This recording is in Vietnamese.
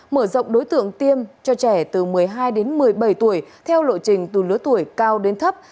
mở rộng đối tượng tiêm cho trẻ từ một mươi hai đến một mươi bảy tuổi theo lộ trình từ lứa tuổi cao đến thấp